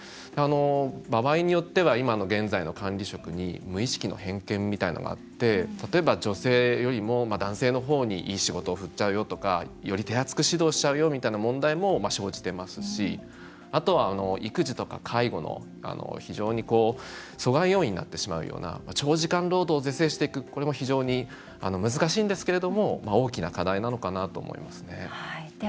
場合によっては今の現在の管理職に無意識の偏見みたいなのがあって例えば、女性よりも男性の方にいい仕事を振っちゃうよとかより手厚く指導しちゃうよみたいな問題も生じてますしあとは、育児とか介護の非常に阻害要因になっちゃうような長時間労働を是正していくこれも非常に難しいんですけれども大きな課題になっちゃうのかと思いますね。